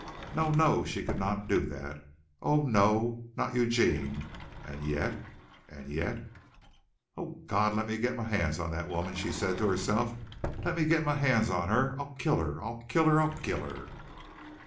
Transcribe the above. No, no, she could not do that! Oh, no, not Eugene and yet and yet "Oh, God, let me get my hands on that woman!" she said to herself. "Let me get my hands on her. I'll kill her, I'll kill her! I'll kill her!"